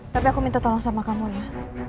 tapi aku minta tolong sama kamu ya